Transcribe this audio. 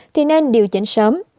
thì nên điều chỉnh sớm